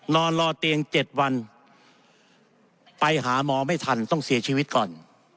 นอนรอเตียง๗วันไปหาหมอไม่ทันต้องเสียชีวิตก่อน